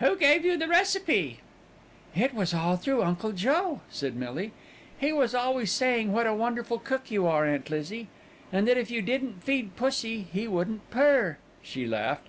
"Who gave you the recipe?" "It was all through Uncle Joe," said Millie. "He was always saying what a wonderful cook you are, Aunt Lizzie, and that if you didn't feed pussy he wouldn't purr," she laughed.